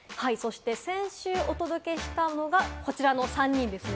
そして先週お届けしたのが、こちらの３人です。